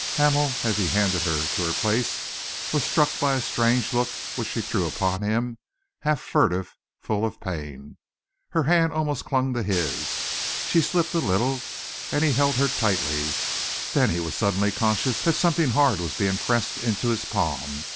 Hamel, as he handed her to her place, was struck by a strange look which she threw upon him, half furtive, full of pain. Her hand almost clung to his. She slipped a little, and he held her tightly. Then he was suddenly conscious that something hard was being pressed into his palm.